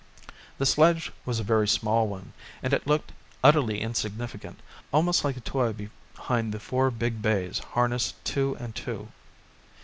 The sledge was a very small one and it looked utterly insignificant, almost like a toy behind the four big bays harnessed two and two.